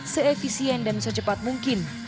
seefisien dan secepat mungkin